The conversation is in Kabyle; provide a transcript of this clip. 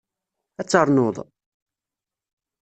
Ad ternuḍ?